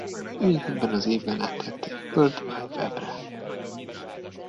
Még ebben az évben áttették World Wide Webre.